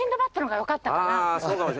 あそうかも。